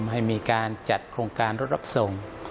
ให้มีการจัดโครงการรถรับส่ง